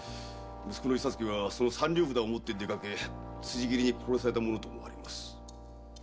息子の伊左助はその三両札を持って出かけ辻斬りに殺されたものと思われます。